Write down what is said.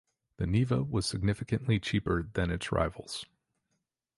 The Niva was significantly cheaper than its rivals.